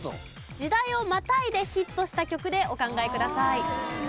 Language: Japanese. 時代をまたいでヒットした曲でお考えください。